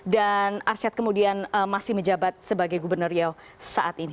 dan arsyad kemudian masih menjabat sebagai gubernur riau saat ini